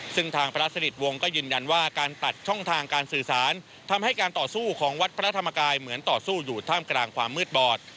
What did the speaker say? ซึ่งทางพระสนิทวงศ์ก็ยืนยันว่าการตัดช่องทางการสื่อสารทำให้การต่อสู้ของวัดพระธรรมกายเหมือนต่อสู้อยู่ท่ามกลางความมืดบอด